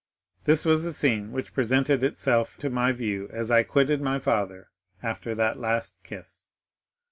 This was the scene which presented itself to my view as I quitted my father after that last kiss.